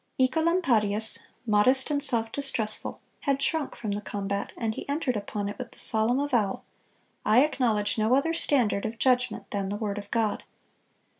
Œcolampadius, modest and self distrustful, had shrunk from the combat, and he entered upon it with the solemn avowal, "I acknowledge no other standard of judgment than the word of God."